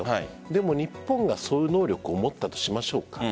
でも、日本がその能力を持ったとしましょうか。